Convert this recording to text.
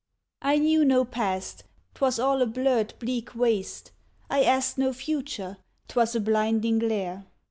I knew no past; 'twas all a blurred, bleak waste; I asked no future; 'twas a blinding glare.